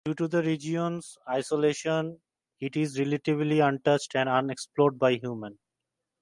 Due to the regions isolation it is relatively untouched and unexplored by humans.